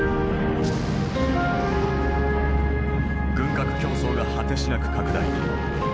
軍拡競争が果てしなく拡大。